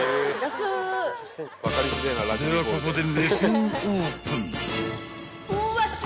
［ではここで目線オープン］